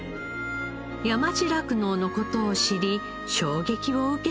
山地酪農の事を知り衝撃を受けたそうです。